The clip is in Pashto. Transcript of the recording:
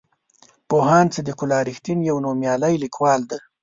پوهاند صدیق الله رښتین یو نومیالی لیکوال دی.